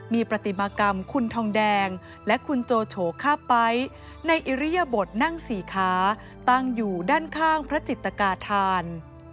มีปฏิมากรรมคุณทองแดงและคุณโจโฉข้าไป๊ในอิริยบทนั่งสี่ขาตั้งอยู่ด้านข้างพระจิตกาธาน